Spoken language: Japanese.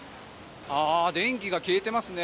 電気が消えてますね。